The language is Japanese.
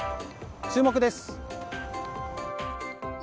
注目です。